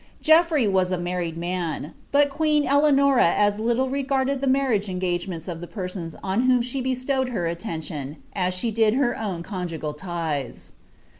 Geoffrey was a married man \ but queen Eleanora as little regarded the marriage engage ments of the persons on whom she bestowed her attention, as she did her own conjugal ties.